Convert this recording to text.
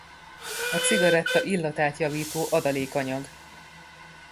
A cigaretta illatát javító adalékanyag.